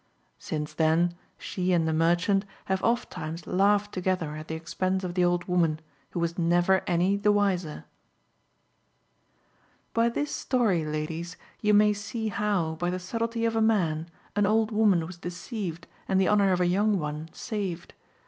Since then she and the merchant have ofttimes laughed together at the expense of the old woman, who was never any the wiser. "By this story, ladies, you may see how, by the subtlety of a man, an old woman was deceived and the honour of a young one saved.